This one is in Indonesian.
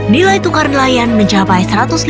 nilai tukar nelayan mencapai satu ratus lima puluh